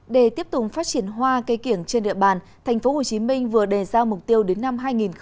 để tiếp tục phát triển hoa cây kiển trên địa bàn thành phố hồ chí minh vừa đề ra mục tiêu đến năm hai nghìn hai mươi năm